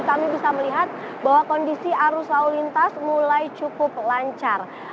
kami bisa melihat bahwa kondisi arus lalu lintas mulai cukup lancar